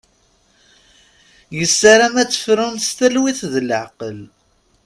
Yessaram ad tefrun s talwit d leɛqel.